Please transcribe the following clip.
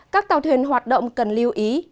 các tàu thuyền hoạt động cần lưu ý